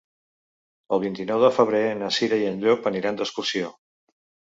El vint-i-nou de febrer na Cira i en Llop aniran d'excursió.